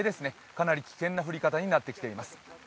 かなり危険な降り方になってきています。